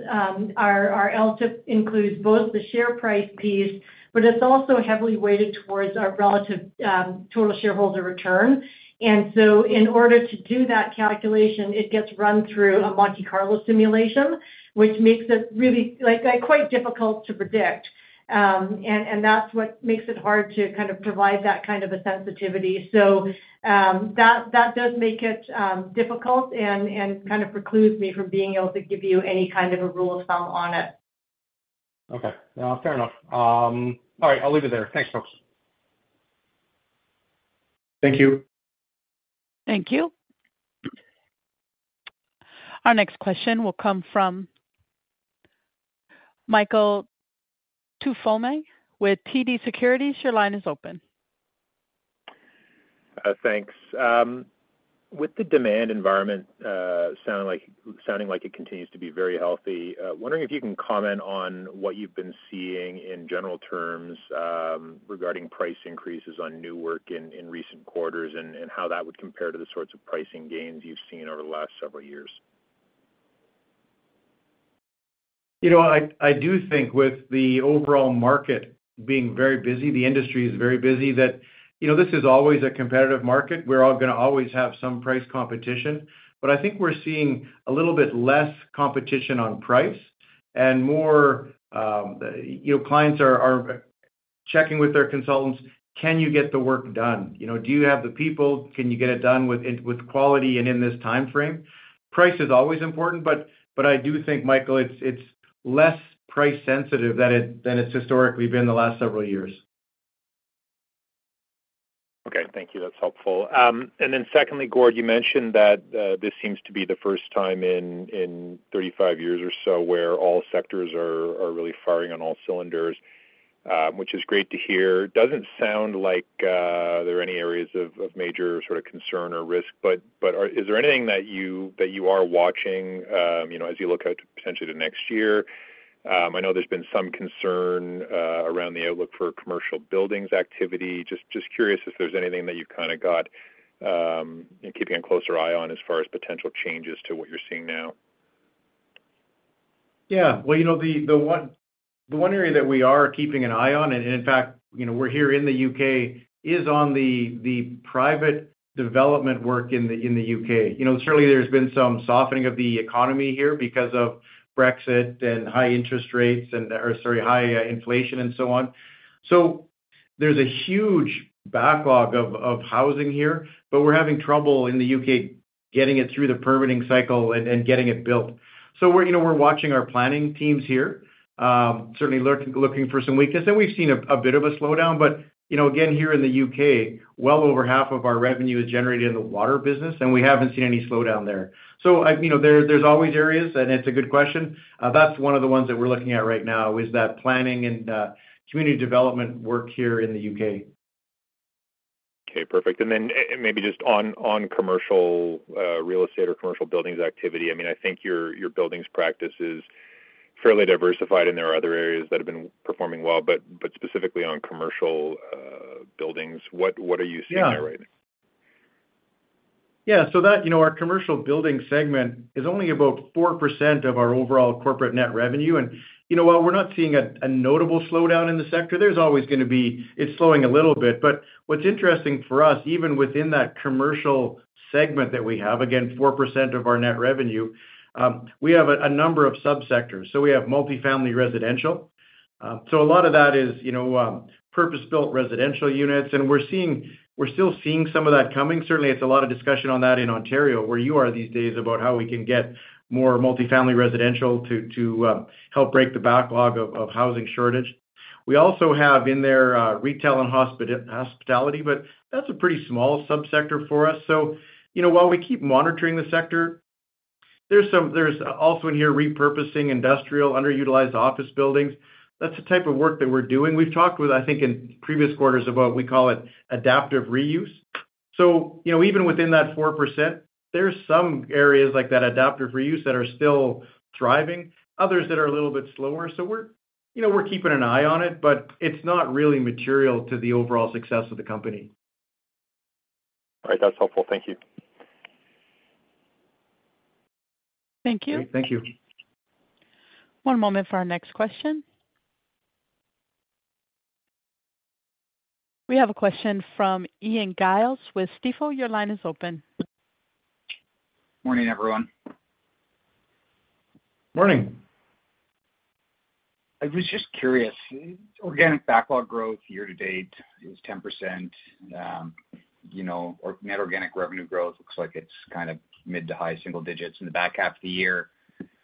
our LTIP includes both the share price piece, but it's also heavily weighted towards our relative total shareholder return. In order to do that calculation, it gets run through a Monte Carlo simulation, which makes it really, like, quite difficult to predict. That's what makes it hard to kind of provide that kind of a sensitivity. That does make it difficult and kind of precludes me from being able to give you any kind of a rule of thumb on it. Okay. Well, fair enough. All right, I'll leave it there. Thanks, folks. Thank you. Thank you. Our next question will come from Michael Tupholme with TD Securities. Your line is open. Thanks. With the demand environment, sounding like, sounding like it continues to be very healthy, wondering if you can comment on what you've been seeing in general terms, regarding price increases on new work in, in recent quarters, and, and how that would compare to the sorts of pricing gains you've seen over the last several years? You know, I, I do think with the overall market being very busy, the industry is very busy, that, you know, this is always a competitive market. We're all gonna always have some price competition, but I think we're seeing a little bit less competition on price and more, you know, clients are, are checking with their consultants: Can you get the work done? You know, do you have the people? Can you get it done with, with quality and in this time frame? Price is always important, but, but I do think, Michael, it's, it's less price sensitive than it, than it's historically been the last several years. Okay. Thank you. That's helpful. Then secondly, Gord, you mentioned that this seems to be the first time in 35 years or so, where all sectors are really firing on all cylinders, which is great to hear. Doesn't sound like there are any areas of major sort of concern or risk, but is there anything that you, that you are watching, you know, as you look out potentially to next year? I know there's been some concern around the outlook for commercial buildings activity. Just curious if there's anything that you've keeping a closer eye on as far as potential changes to what you're seeing now. Yeah, well, you know, the, the one, the one area that we are keeping an eye on, and in fact, you know, we're here in the U.K., is on the, the private development work in the, in the U.K. You know, certainly there's been some softening of the economy here because of Brexit and high interest rates and, or, sorry, high inflation and so on. There's a huge backlog of, of housing here, but we're having trouble in the U.K. getting it through the permitting cycle and, and getting it built. We're, you know, we're watching our planning teams here, certainly looking for some weakness, and we've seen a, a bit of a slowdown. You know, again, here in the U.K., well over half of our revenue is generated in the water business, and we haven't seen any slowdown there. you know, there, there's always areas, and it's a good question. That's one of the ones that we're looking at right now, is that planning and community development work here in the U.K.. Okay, perfect. Maybe just on, on commercial, real estate or commercial buildings activity. I mean, I think your, your buildings practice is fairly diversified, and there are other areas that have been performing well, but, but specifically on commercial, buildings, what, what are you seeing there right now? Yeah. That, you know, our Commercial Buildings segment is only about 4% of our overall corporate net revenue. You know, while we're not seeing a, a notable slowdown in the sector, there's always gonna be-- it's slowing a little bit. What's interesting for us, even within that Commercial segment that we have, again, 4% of our net revenue, we have a, a number of sub-sectors. We have multifamily residential. A lot of that is, you know, purpose-built residential units, and we're still seeing some of that coming. Certainly, it's a lot of discussion on that in Ontario, where you are these days, about how we can get more multifamily residential to help break the backlog of housing shortage.... We also have in there retail and hospitality, but that's a pretty small subsector for us. You know, while we keep monitoring the sector, there's also in here repurposing industrial, underutilized office buildings. That's the type of work that we're doing. We've talked with, I think, in previous quarters about we call it adaptive reuse. You know, even within that 4%, there's some areas like that adaptive reuse that are still thriving, others that are a little bit slower. We're, you know, we're keeping an eye on it, but it's not really material to the overall success of the company. All right. That's helpful. Thank you. Thank you. Thank you. One moment for our next question. We have a question from Giles Thorne with Stifel. Your line is open. Morning, everyone. Morning. I was just curious, organic backlog growth year to date is 10%. You know, or net organic revenue growth looks like it's kind of mid to high-single digits in the back half of the year.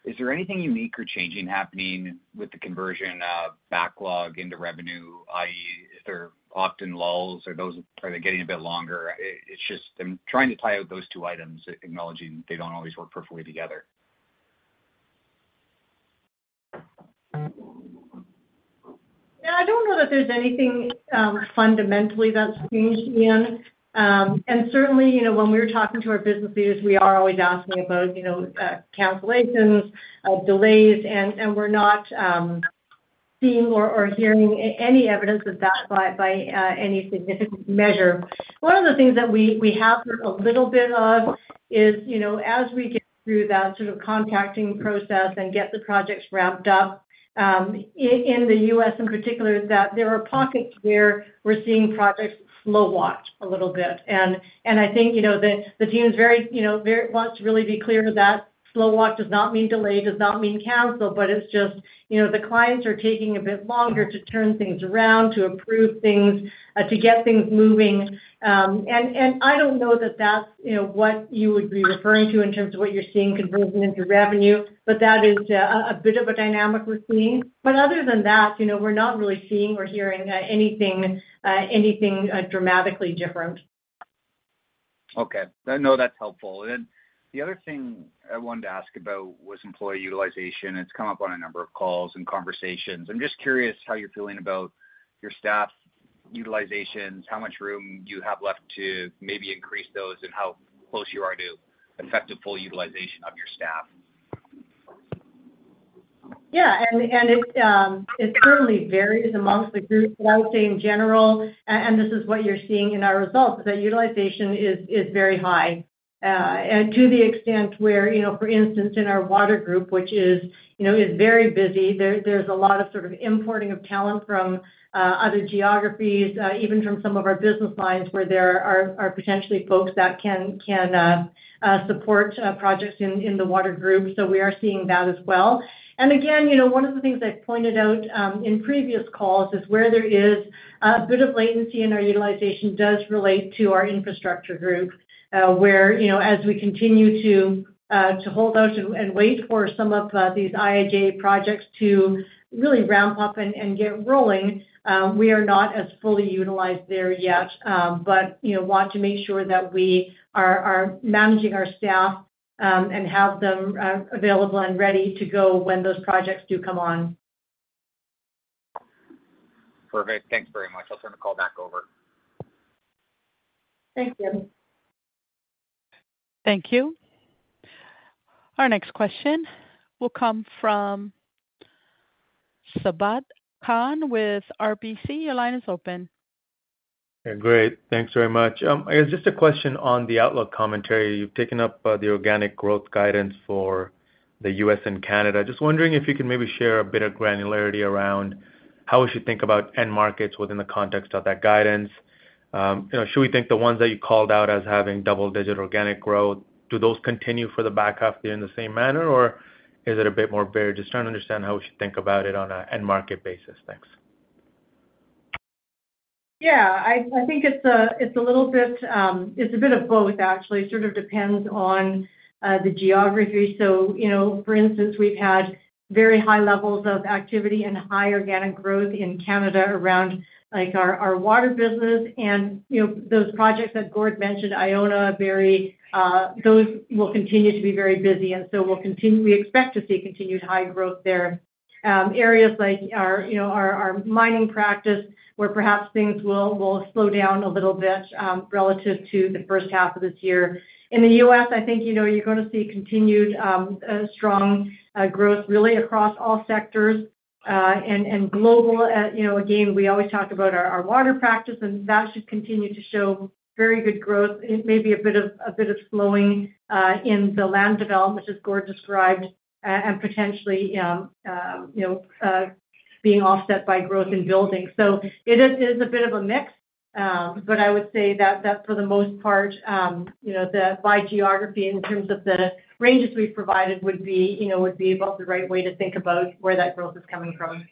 Is there anything unique or changing happening with the conversion of backlog into revenue? i.e., if there are often lulls, are those getting a bit longer? It's just, I'm trying to tie out those two items, acknowledging they don't always work perfectly together. Yeah, I don't know that there's anything fundamentally that's changed, Ian. Certainly, you know, when we were talking to our business leaders, we are always asking about, you know, cancellations, delays, and we're not seeing or hearing any evidence of that by any significant measure. One of the things that we have a little bit of is, you know, as we get through that sort of contacting process and get the projects wrapped up, in the U.S. in particular, is that there are pockets where we're seeing projects slow-walk a little bit. I think, you know, the, the team is very, you know, wants to really be clear that slow-walk does not mean delayed, does not mean canceled, but it's just, you know, the clients are taking a bit longer to turn things around, to approve things, to get things moving. I don't know that that's, you know, what you would be referring to in terms of what you're seeing converting into revenue, but that is a, a bit of a dynamic we're seeing. Other than that, you know, we're not really seeing or hearing anything, anything dramatically different. Okay. No, that's helpful. Then the other thing I wanted to ask about was employee utilization. It's come up on a number of calls and conversations. I'm just curious how you're feeling about your staff utilizations, how much room you have left to maybe increase those, and how close you are to effective full utilization of your staff. Yeah, and, and it, it currently varies amongst the groups. I would say in general, and this is what you're seeing in our results, that utilization is very high. And to the extent where, you know, for instance, in our water group, which is, you know, is very busy, there, there's a lot of sort of importing of talent from other geographies, even from some of our business lines, where there are, are potentially folks that can, can support projects in the water group. We are seeing that as well. Again, you know, one of the things I've pointed out, in previous calls is where there is a bit of latency in our utilization does relate to our infrastructure group, where, you know, as we continue to, to hold out and wait for some of these IIJA projects to really ramp up and, and get rolling, we are not as fully utilized there yet, but, you know, want to make sure that we are, are managing our staff, and have them, available and ready to go when those projects do come on. Perfect. Thanks very much. I'll turn the call back over. Thank you. Thank you. Our next question will come from Sabahat Khan with RBC. Your line is open. Great. Thanks very much. Just a question on the outlook commentary. You've taken up the organic growth guidance for the U.S. and Canada. Just wondering if you could maybe share a bit of granularity around how we should think about end markets within the context of that guidance. You know, should we think the ones that you called out as having double-digit organic growth, do those continue for the back half in the same manner, or is it a bit more varied? Just trying to understand how we should think about it on an end market basis. Thanks. Yeah, it's a bit of both, actually. It sort of depends on the geography. You know, for instance, we've had very high levels of activity and high organic growth in Canada around, like, our water business and, you know, those projects that Gord mentioned, Iona, Barrie, those will continue to be very busy, and so we expect to see continued high growth there. Areas like our, you know, our mining practice, where perhaps things will slow down a little bit relative to the first half of this year. In the U.S., I think, you know, you're going to see continued strong growth, really across all sectors and global. You know, again, we always talk about our water practice, and that should continue to show very good growth. It may be a bit of a bit of slowing in the land development, which as Gord described, and potentially, you know, being offset by growth in buildings. It is, it is a bit of a mix, but I would say that, that for the most part, you know, the by geography, in terms of the ranges we've provided, would be, you know, about the right way to think about where that growth is coming from.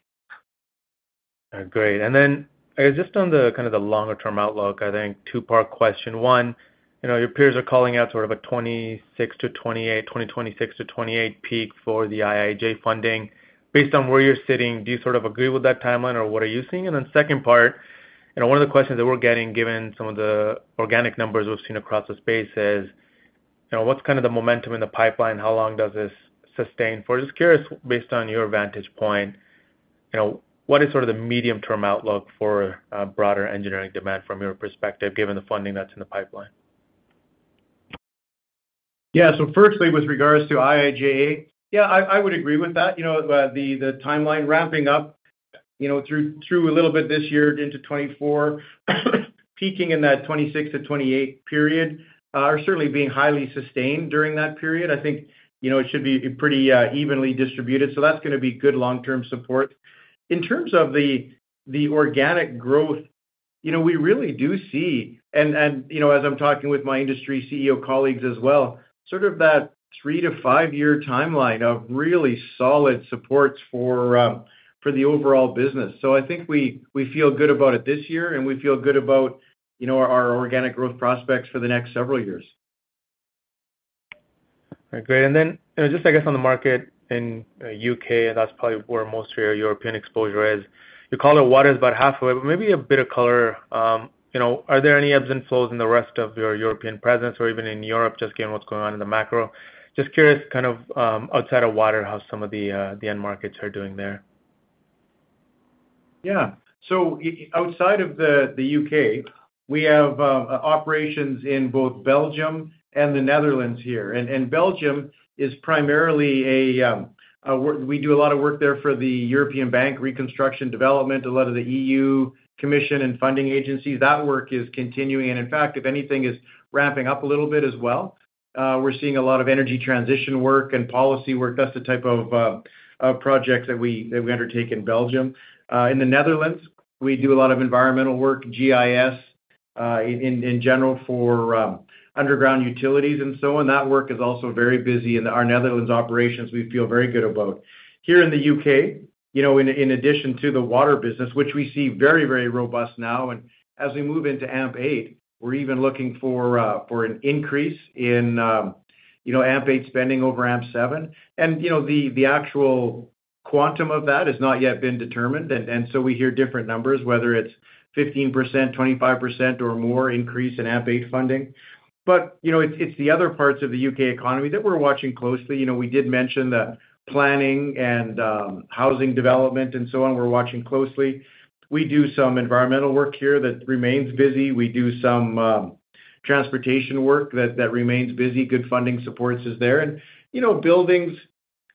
Great. Then, just on the kind of the longer term outlook, I think two-part question. One, you know, your peers are calling out sort of a 26-28, 2026-2028 peak for the IIJA funding. Based on where you're sitting, do you sort of agree with that timeline, or what are you seeing? Then second part... You know, one of the questions that we're getting, given some of the organic numbers we've seen across the space, is, you know: What's kind of the momentum in the pipeline? How long does this sustain for? Just curious, based on your vantage point, you know, what is sort of the medium-term outlook for broader engineering demand from your perspective, given the funding that's in the pipeline? Yeah. Firstly, with regards to IIJA, yeah, I, I would agree with that. You know, the, the timeline ramping up, you know, through, through a little bit this year into 2024, peaking in that 2026 to 2028 period, or certainly being highly sustained during that period. I think, you know, it should be pretty, evenly distributed, so that's gonna be good long-term support. In terms of the, the organic growth, you know, we really do see, and, and, you know, as I'm talking with my industry CEO colleagues as well, sort of that three to five-year timeline of really solid supports for the overall business. I think we, we feel good about it this year, and we feel good about, you know, our organic growth prospects for the next several years. All right, great. Just I guess on the market in U.K., that's probably where most of your European exposure is. You call it water is about halfway, but maybe a bit of color, you know, are there any ebbs and flows in the rest of your European presence or even in Europe, just given what's going on in the macro? Just curious, kind of, outside of water, how some of the end markets are doing there. Yeah. Outside of the U.K., we have operations in both Belgium and the Netherlands here. Belgium is primarily a, We do a lot of work there for the European Bank for Reconstruction and Development, a lot of the EU Commission and funding agencies. That work is continuing, and in fact, if anything, is ramping up a little bit as well. We're seeing a lot of energy transition work and policy work. That's the type of projects that we, that we undertake in Belgium. In the Netherlands, we do a lot of environmental work, GIS, in, in general, for underground utilities and so on. That work is also very busy, and our Netherlands operations, we feel very good about. Here in the U.K., you know, in addition to the Water business, which we see very, very robust now, and as we move into AMP8, we're even looking for an increase in, you know, AMP8 spending over AMP7. You know, the actual quantum of that has not yet been determined, and so we hear different numbers, whether it's 15%, 25%, or more increase in AMP8 funding. You know, it's the other parts of the U.K. economy that we're watching closely. You know, we did mention that planning and housing development and so on, we're watching closely. We do some environmental work here that remains busy. We do some transportation work that remains busy. Good funding supports is there. You know, buildings,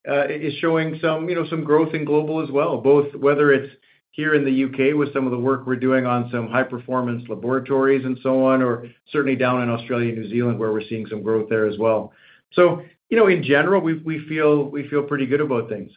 is showing some, you know, some growth in global as well, both whether it's here in the U.K. with some of the work we're doing on some high-performance laboratories and so on, or certainly down in Australia and New Zealand, where we're seeing some growth there as well. You know, in general, we, we feel, we feel pretty good about things.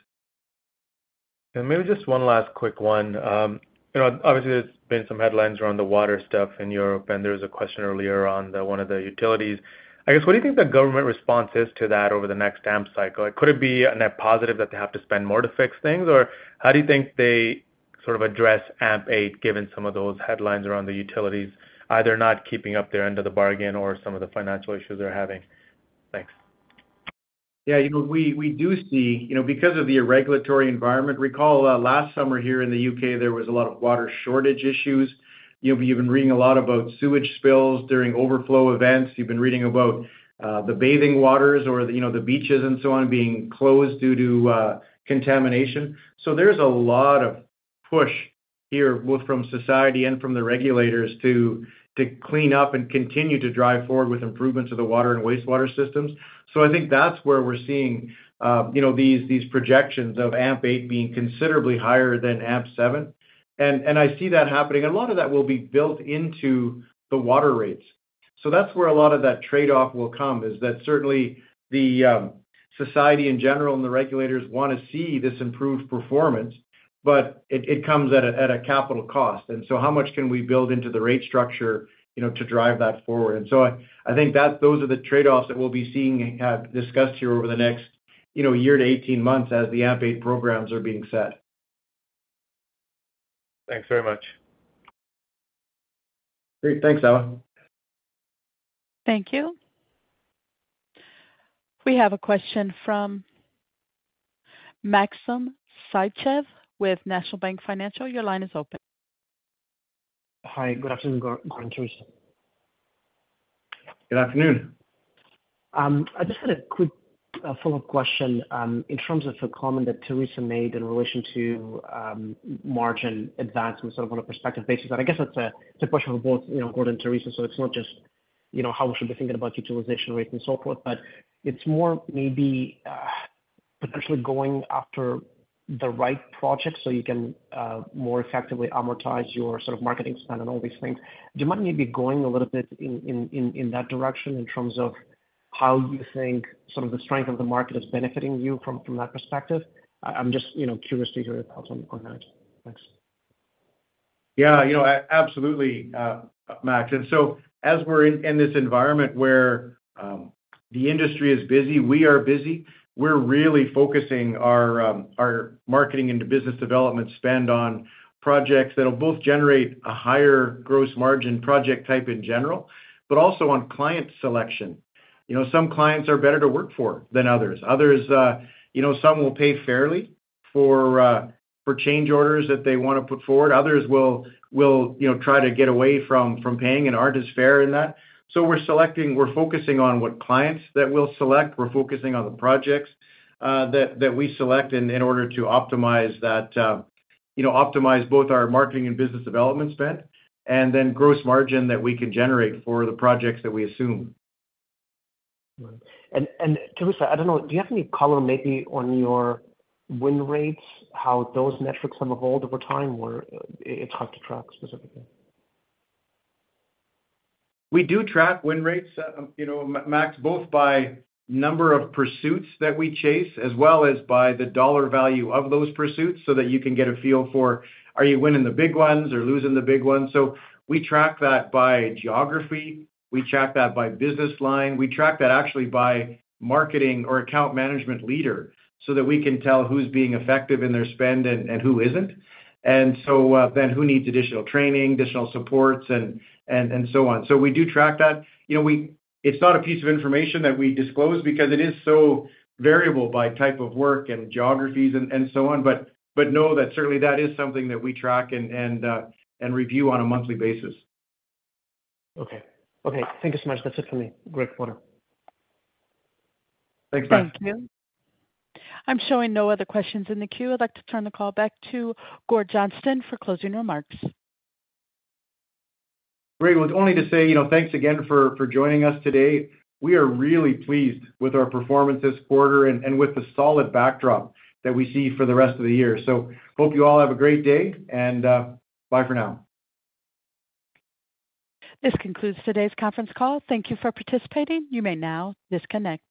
Maybe just one last quick one. You know, obviously, there's been some headlines around the water stuff in Europe, and there was a question earlier on the one of the utilities. I guess, what do you think the government response is to that over the next AMP cycle? Could it be a net positive that they have to spend more to fix things, or how do you think they sort of address AMP8, given some of those headlines around the utilities, either not keeping up their end of the bargain or some of the financial issues they're having? Thanks. Yeah, you know, we do see. You know, because of the regulatory environment, recall, last summer here in the U.K., there was a lot of water shortage issues. You've been reading a lot about sewage spills during overflow events. You've been reading about the bathing waters or, you know, the beaches and so on, being closed due to contamination. There's a lot of push here, both from society and from the regulators, to clean up and continue to drive forward with improvements of the water and wastewater systems. I think that's where we're seeing, you know, these projections of AMP8 being considerably higher than AMP7. I see that happening. A lot of that will be built into the water rates. That's where a lot of that trade-off will come, is that certainly the society in general and the regulators wanna see this improved performance, but it, it comes at a, at a capital cost. How much can we build into the rate structure, you know, to drive that forward? I, I think that those are the trade-offs that we'll be seeing discussed here over the next, you know, year to 18 months as the AMP8 programs are being set. Thanks very much. Great. Thanks, Alan. Thank you. We have a question from Maxim Sytchev with National Bank Financial. Your line is open. Hi, good afternoon, Gordon and Theresa. Good afternoon. I just had a quick follow-up question in terms of the comment that Theresa made in relation to margin advancement, sort of on a prospective basis. And I guess it's a, it's a question for both, you know, Gordon and Theresa, so it's not just, you know, how we should be thinking about utilization rates and so forth, but it's more maybe potentially going after the right project so you can more effectively amortize your sort of marketing spend and all these things. Do you mind maybe going a little bit in, in, in, in that direction in terms of how you think some of the strength of the market is benefiting you from, from that perspective? I'm just, you know, curious to hear your thoughts on that. Thanks. Yeah, you know, absolutely, Max. So as we're in, in this environment where the industry is busy, we are busy, we're really focusing our marketing into business development spend on projects that will both generate a higher gross margin project type in general, but also on client selection. You know, some clients are better to work for than others. Others, you know, some will pay fairly for change orders that they wanna put forward. Others will, you know, try to get away from, from paying and aren't as fair in that. We're selecting, we're focusing on what clients that we'll select. We're focusing on the projects, that, that we select in, in order to optimize that, you know, optimize both our marketing and business development spend, and then gross margin that we can generate for the projects that we assume. Theresa, I don't know, do you have any color maybe on your win rates, how those metrics have evolved over time, or it's hard to track specifically? We do track win rates, you know, Max, both by number of pursuits that we chase, as well as by the dollar value of those pursuits, so that you can get a feel for, are you winning the big ones or losing the big ones? We track that by geography. We track that by business line. We track that actually by marketing or account management leader, so that we can tell who's being effective in their spend and who isn't. Then who needs additional training, additional supports, and so on. We do track that. You know, it's not a piece of information that we disclose because it is so variable by type of work and geographies and so on. Know that certainly that is something that we track and review on a monthly basis. Okay. Okay, thank you so much. That's it for me. Great quarter. Thanks, Max. Thank you. I'm showing no other questions in the queue. I'd like to turn the call back to Gord Johnston for closing remarks. Great. Well, only to say, you know, thanks again for, for joining us today. We are really pleased with our performance this quarter and, and with the solid backdrop that we see for the rest of the year. Hope you all have a great day, and, bye for now. This concludes today's conference call. Thank you for participating. You may now disconnect.